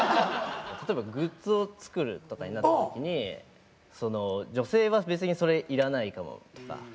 例えばグッズを作るとかになった時にその女性は別にそれいらないかもとか。